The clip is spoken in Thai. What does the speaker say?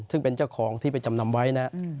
ซึ่งเป็นเจ้าของที่ไปจำนำไว้นะ